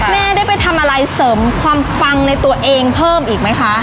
แม่ได้ไปทำอะไรเสริมความปังในตัวเองเพิ่มอีกไหมคะ